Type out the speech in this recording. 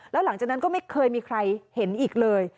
แล้วหลังจากนั้นก็ไม่เคยมีใครเห็นอีกเลย